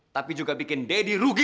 tapi juga bikin deddy rugi